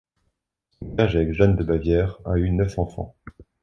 Son mariage avec Jeanne de Bavière a eu neuf enfants.